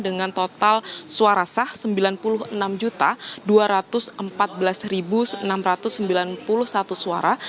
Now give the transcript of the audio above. dengan rincian pasangan nomor urut tiga ganjar mahfud yaitu dua puluh tujuh empat puluh delapan ratus tujuh puluh dua